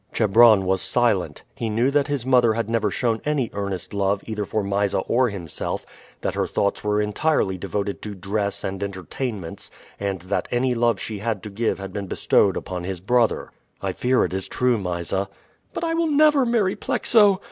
Chebron was silent. He knew that his mother had never shown any earnest love either for Mysa or himself, that her thoughts were entirely devoted to dress and entertainments, and that any love she had to give had been bestowed upon his brother. "I fear it is true, Mysa." "But I will never marry Plexo!"